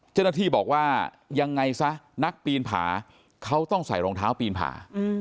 เจ้าหน้าที่บอกว่ายังไงซะนักปีนผาเขาต้องใส่รองเท้าปีนผ่า